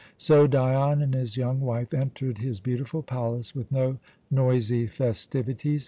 So Dion and his young wife entered his beautiful palace with no noisy festivities.